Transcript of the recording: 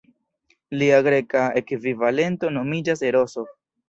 Lia greka ekvivalento nomiĝas Eroso.